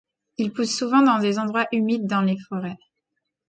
Il pousse souvent dans des endroits humides dans les forêts.